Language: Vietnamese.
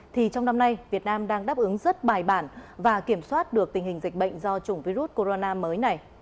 thì trong năm nay việt nam đang đáp ứng rất bài bản và kiểm soát được tình hình dịch bệnh do chủng virus corona mới này